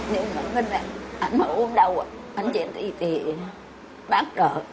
nhưng mà mình ảnh mở uống đau ạ ảnh trên thị thì bác đỡ